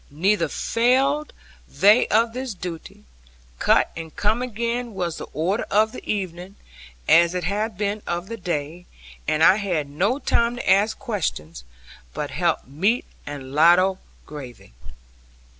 Neither failed they of this duty; cut and come again was the order of the evening, as it had been of the day; and I had no time to ask questions, but help meat and ladle gravy.